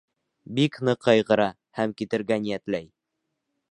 Бик ныҡ ҡайғыра һәм китергә ниәтләй.